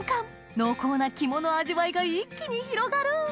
濃厚な肝の味わいが一気に広がる